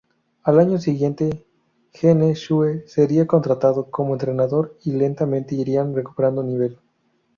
Al año siguiente, Gene Shue sería contratado como entrenador y lentamente irían recuperando nivel.